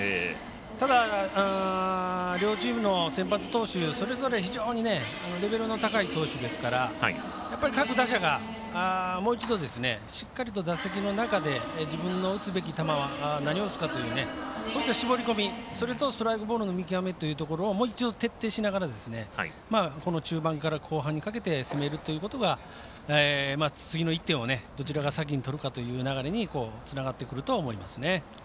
ただ、両チームの先発投手それぞれ、非常にレベルの高い投手ですから各打者が、もう一度しっかりと打席の中で自分の打つべき球何を打つかという絞り込み、それとストライクボールの見極めをもう一度、徹底しながら中盤から後半にかけて攻めるということが次の１点をどちらが先に取るかということにつながってくるとは思います。